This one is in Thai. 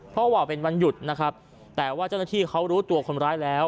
เพราะว่าเป็นวันหยุดนะครับแต่ว่าเจ้าหน้าที่เขารู้ตัวคนร้ายแล้ว